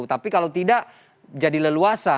tapi kalau tidak jadi leluasa